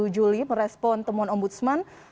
juli merespon temuan ombudsman